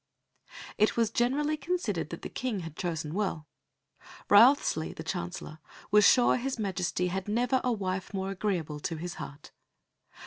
It was generally considered that the King had chosen well. Wriothesley, the Chancellor, was sure His Majesty had never a wife more agreeable to his heart.